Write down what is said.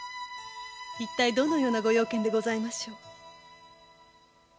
一体どのようなご用件でございましょう？